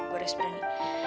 gue harus berani